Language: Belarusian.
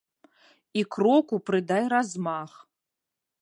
І кроку прыдай размах!